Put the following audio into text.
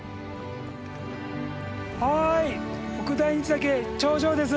はい奥大日岳頂上です。